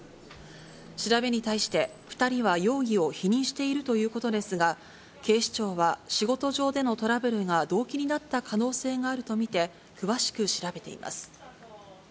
調べに対して、２人は容疑を否認しているということですが、警視庁は、仕事上でのトラブルが動機になった可能性があると見て、詳しく調べています。